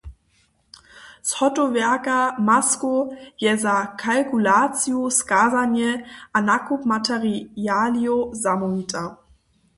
Zhotowjerka maskow je za kalkulaciju, skazanje a nakup materialijow zamołwita.